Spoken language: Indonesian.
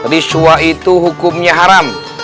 risuah itu hukumnya haram